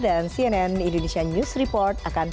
dan cnn indonesia news report akan berikutnya